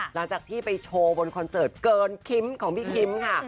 หลังจากที่ไปโชว์บนคอนเสิร์ตเกินคิมของพี่คิมค่ะ